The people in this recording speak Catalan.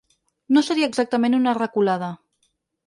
No seria exactament una reculada.